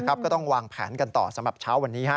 ก็ต้องวางแผนกันต่อสำหรับเช้าวันนี้